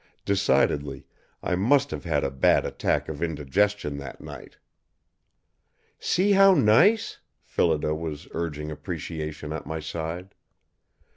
Decidedly, I must have had a bad attack of indigestion that night! "See how nice?" Phillida was urging appreciation at my side.